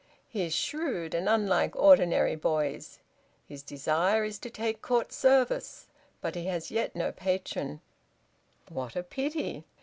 He is shrewd and unlike ordinary boys. His desire is to take Court service, but he has as yet no patron." "What a pity!